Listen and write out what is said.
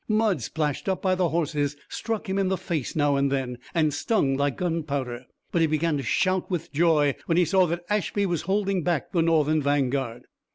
Mud splashed up by the horses struck him in the face now and then, and stung like gunpowder, but he began to shout with joy when he saw that Ashby was holding back the Northern vanguard.